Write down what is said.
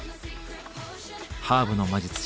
ハーブの魔術師